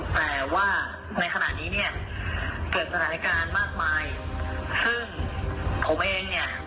แต่ว่าในขณะนี้เนี่ยเกิดสถานการณ์มากมายซึ่งผมเองเนี่ย